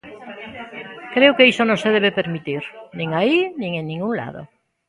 Creo que iso non se debe permitir, nin aí nin en ningún lado.